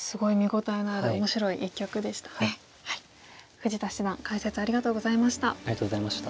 富士田七段解説ありがとうございました。